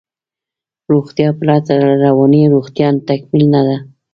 روغتیا پرته له روانی روغتیا تکمیل نده